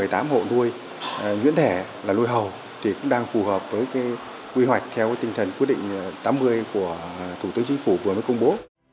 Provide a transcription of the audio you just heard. tám hộ nuôi nhuyễn thể là nuôi hầu thì cũng đang phù hợp với quy hoạch theo tinh thần quyết định tám mươi của thủ tướng chính phủ vừa mới công bố